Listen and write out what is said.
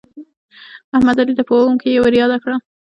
احمد، علي ته په اوم کې ورياده کړه.